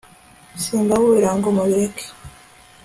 simbaburira ngo mubireke